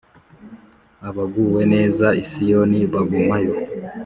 Abaguwe neza i siyoni bagumayo